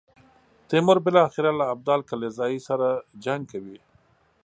تیمور بالاخره له ابدال کلزايي سره جنګ کوي.